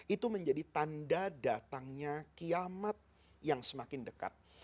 itu menjadi tanda datangnya kiamat yang semakin dekat